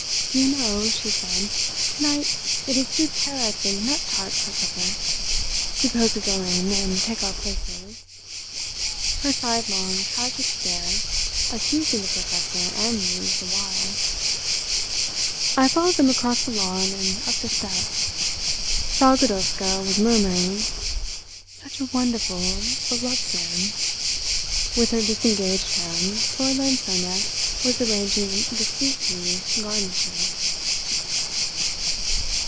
"Do you know," she said, "to night it is stewed carrots and nut tart for supper. Suppose we go in and take our places," her sidelong, tragic stare accusing the Professor and me the while. I followed them across the lawn and up the steps. Frau Godowska was murmuring, "Such a wonderful, beloved man"; with her disengaged hand Fräulein Sonia was arranging the sweet pea "garniture."